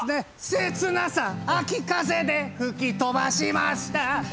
「切なさ秋風で吹き飛ばしました」